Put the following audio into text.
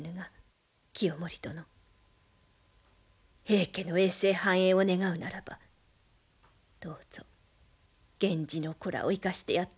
平家の永世繁栄を願うならばどうぞ源氏の子らを生かしてやってたもれ。